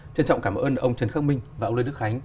trân trọng cảm ơn ông trần khắc minh và ông lê đức khánh